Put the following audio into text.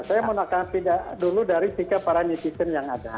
saya mau nakal dulu dari sikap para netizen yang ada